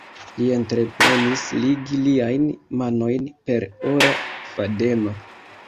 Li entreprenis ligi liajn manojn per ora fadeno.